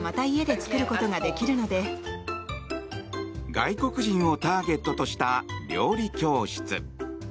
外国人をターゲットとした料理教室。